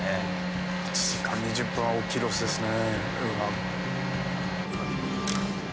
１時間２０分は大きいロスですね。